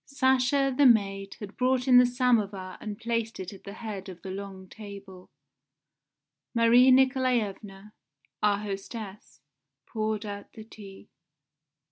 Sasha, the maid, had brought in the samovar and placed it at the head of the long table. Marie Nikolaevna, our hostess, poured out the tea.